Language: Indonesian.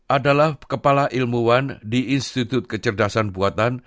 adalah kepala ilmuwan di institut kecerdasan buatan